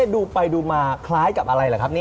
ดูไปดูมาคล้ายกับอะไรล่ะครับ